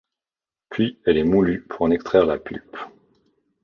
Puis elle est moulue pour en extraire la pulpe.